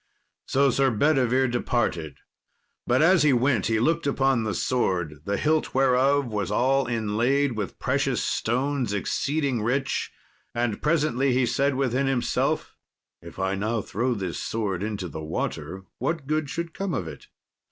So Sir Bedivere departed; but as he went he looked upon the sword, the hilt whereof was all inlaid with precious stones exceeding rich. And presently he said within himself, "If I now throw this sword into the water, what good should come of it?"